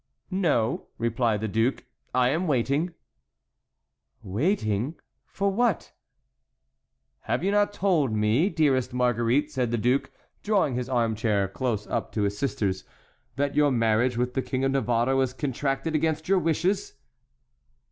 "No," replied the duke; "I am waiting." "Waiting! for what?" "Have you not told me, dearest Marguerite," said the duke, drawing his armchair close up to his sister's, "that your marriage with the King of Navarre was contracted against your wishes?"